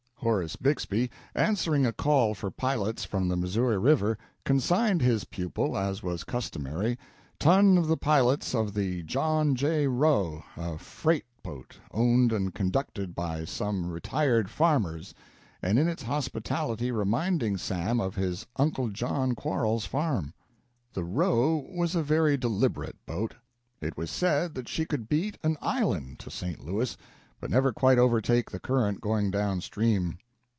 Horace Bixby, answering a call for pilots from the Missouri River, consigned his pupil, as was customary, tonne of the pilots of the "John J. Roe," a freight boat, owned and conducted by some retired farmers, and in its hospitality reminding Sam of his Uncle John Quarles's farm. The "Roe" was a very deliberate boat. It was said that she could beat an island to St. Louis, but never quite overtake the current going down stream.